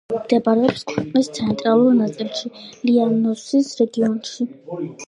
მდებარეობს ქვეყნის ცენტრალურ ნაწილში, ლიანოსის რეგიონში.